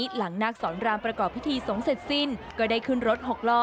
วันนี้หลังนักสอนรามประกอบพิธีสงสัตว์สิ้นก็ได้ขึ้นรถหกล้อ